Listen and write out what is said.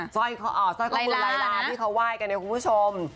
ซ้อยกระบุไลลาที่เขาไหว้กันนะคุณผู้ชม